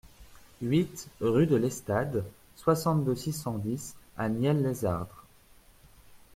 huit rue de l'Estade, soixante-deux, six cent dix à Nielles-lès-Ardres